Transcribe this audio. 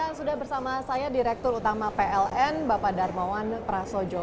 sudah bersama saya direktur utama pln bapak darmawan prasojo